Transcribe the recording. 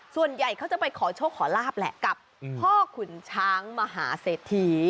ส่วนใหญ่เขาจะไปขอโชคขอลาบแหละกับพ่อขุนช้างมหาเศรษฐี